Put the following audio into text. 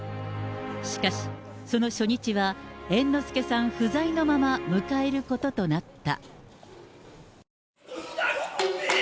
しかし、その初日は、猿之助さん不在のまま、迎えることとなった。